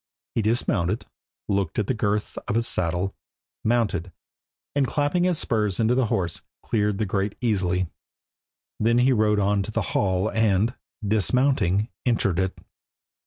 He dismounted, looked to the girths of his saddle, mounted, and clapping his spurs into the horse, cleared the grate easily. Then he rode on to the hall and, dismounting, entered it.